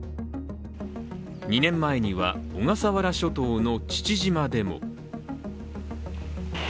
２年前には、小笠原諸島の父島でも。